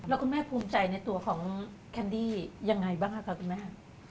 แล้วคุณแม่ภูมิใจในตัวของแคนดี้ยังไงบ้างคะคุณแม่